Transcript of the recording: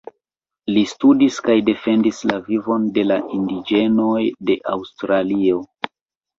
Li studis kaj defendis la vivon de la indiĝenoj de Aŭstralio.